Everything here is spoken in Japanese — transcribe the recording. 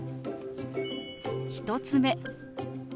１つ目。